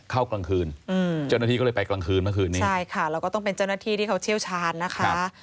กลางคืนอืมเจ้าหน้าที่ก็เลยไปกลางคืนเมื่อคืนนี้ใช่ค่ะแล้วก็ต้องเป็นเจ้าหน้าที่ที่เขาเชี่ยวชาญนะคะ